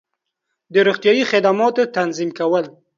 د روغتیایی خدماتو تنظیم کول